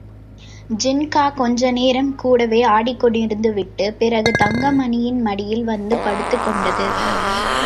ஜின்கா கொஞ்ச நேரம் கூடவே ஆடிக்கொண்டிருந்துவிட்டுப் பிறகு தங்கமணியின் மடியில் வந்து படுத்துக் கொண்டது.